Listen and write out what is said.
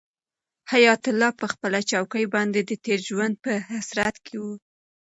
حیات الله په خپله چوکۍ باندې د تېر ژوند په حسرت کې و.